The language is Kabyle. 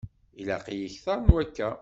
Ilaq-iyi kter n wakka.